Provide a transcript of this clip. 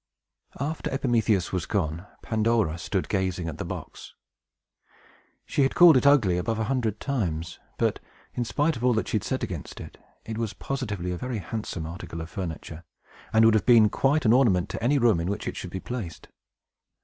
After Epimetheus was gone, Pandora stood gazing at the box. She had called it ugly, above a hundred times; but, in spite of all that she had said against it, it was positively a very handsome article of furniture, and would have been quite an ornament to any room in which it should be placed.